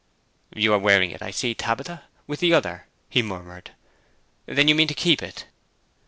'You are wearing it, I see, Tabitha, with the other,' he murmured. 'Then you mean to keep it?'